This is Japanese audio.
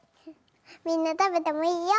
みんな食べてもいいよ。